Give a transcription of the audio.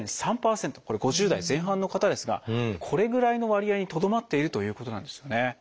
これ５０代前半の方ですがこれぐらいの割合にとどまっているということなんですよね。